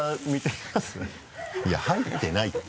いや入ってないって。